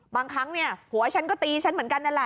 บางครั้งหัวฉันก็ตีฉันเหมือนกันแหละ